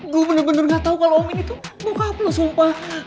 gue bener bener gatau kalo om ini tuh bokap lo sumpah